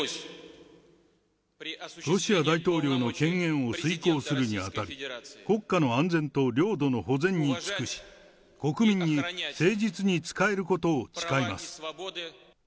ロシア大統領の権限を遂行するにあたり、国家の安全と領土の保全に尽くし、国民に誠実に仕えることを誓います。